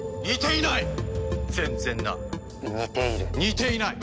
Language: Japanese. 似ていない！